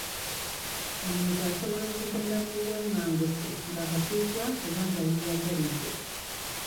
Omuntu asobola okugenda mu buwanganguse ng'akakiddwa oba nga yeeyagalidde.